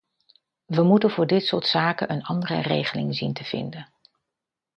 We moeten voor dit soort zaken een andere regeling zien te vinden.